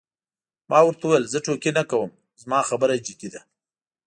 ما ورته وویل: زه ټوکې نه کوم، زما خبره جدي ده.